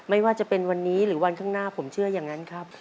ไม่ว่าจะเป็นวันนี้หรือวันข้างหน้าผมเชื่ออย่างนั้นครับ